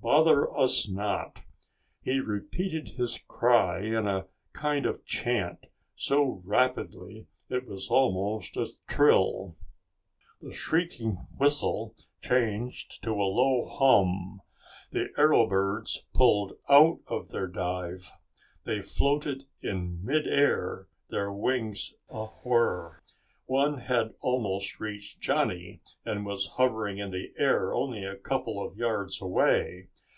Bother us not!" He repeated his cry in a kind of chant, so rapidly it was almost a trill. The shrieking whistle changed to a low hum. The arrow birds pulled out of their dive. They floated in mid air, their wings awhir. One had almost reached Johnny and was hovering in the air only a couple of yards away.